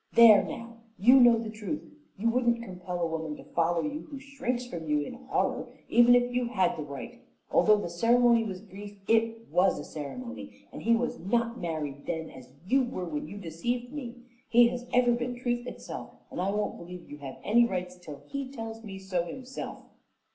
There now, you know the truth. You wouldn't compel a woman to follow you who shrinks from you in horror, even if you had the right. Although the ceremony was brief it WAS a ceremony; and he was not married then, as you were when you deceived me. He has ever been truth itself, and I won't believe you have any rights till he tells me so himself."